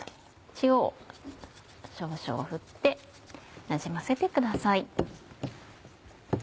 塩を少々振ってなじませてください。